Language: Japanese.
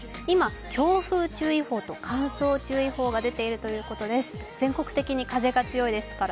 今、強風注意報と、乾燥注意報が出ているということです。